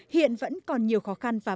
hiện vẫn còn nhiều khó khăn